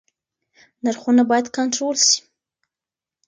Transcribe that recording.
نرخونه بايد کنټرول سي.